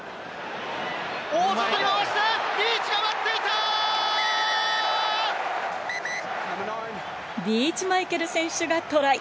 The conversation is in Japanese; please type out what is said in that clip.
大外に回した、リーチマイケル選手がトライ。